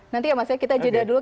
nanti ya mas ya kita jeda dulu